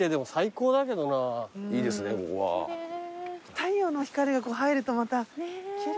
太陽の光がこう入るとまた奇麗。